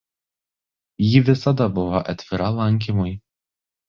Ji visada buvo atvira lankymui.